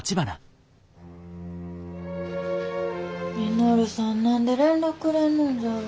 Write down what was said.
稔さん何で連絡くれんのんじゃろ。